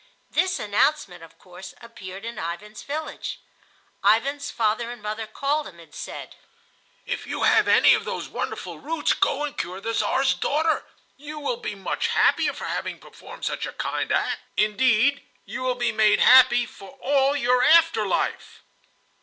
This announcement, of course, appeared in Ivan's village. Ivan's father and mother called him and said: "If you have any of those wonderful roots, go and cure the Czar's daughter. You will be much happier for having performed such a kind act—indeed, you will be made happy for all your after life."